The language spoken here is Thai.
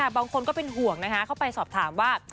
บางคนก็เป็นห่วงนะคะเข้าไปสอบถามว่า